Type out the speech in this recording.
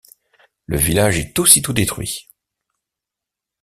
Le village est aussitôt détruit.